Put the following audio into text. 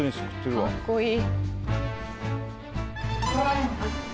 かっこいい！